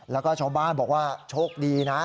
แล้วก็ชาวบ้านบอกว่าโชคดีนะ